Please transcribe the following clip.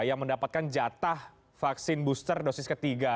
yang mendapatkan jatah vaksin booster dosis ketiga